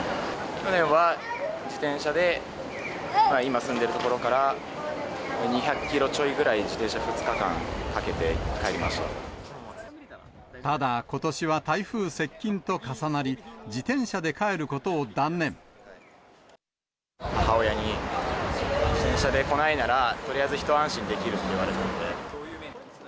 去年は自転車で、今住んでいる所から２００キロちょいぐらい、ただ、ことしは台風接近と重なり、母親に、自転車で来ないなら、とりあえず一安心できるって言われてて。